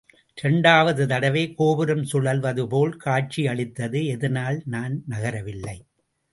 இரண்டாவது தடவை கோபுரம் சுழல்வதுபோல் காட்சியளித்தது, எதனால்? நான் நகரவில்லை.